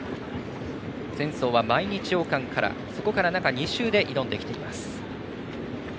前走は毎日王冠からそこから中２週で挑んできています。